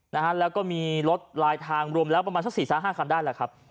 นะฮะแล้วก็มีรถลายทางรวมแล้วประมาณสักสี่สามห้าคันได้แหละครับ